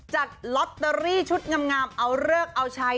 จัดลอตเตอรี่ชุดงามเอาเลิกเอาใช้